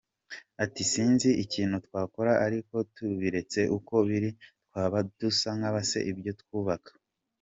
Ati “Sinzi ikintu twakora ariko tubiretse uko biri, twaba dusa n’abasenya ibyo twubaka.